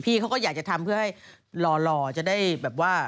เขาก็อยากจะทำเพื่อให้หล่อจะได้แบบว่า